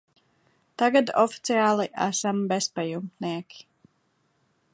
Tagad oficiāli esam bezpajumtnieki.